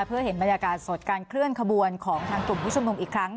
เพื่อเห็นบรรยากาศสดการเคลื่อนขบวนของทางกลุ่มผู้ชมนุมอีกครั้ง